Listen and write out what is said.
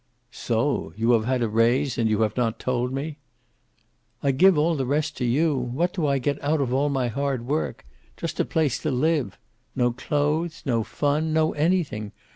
"So you have had a raise, and you have not told me?" "I give all the rest to you. What do I get out of all my hard work? Just a place to live. No clothes. No fun. No anything.